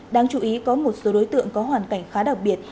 đáng chú ý có một số đối tượng có hoàn cảnh khá đặc biệt